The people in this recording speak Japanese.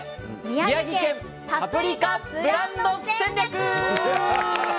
宮城県パプリカブランド戦略」。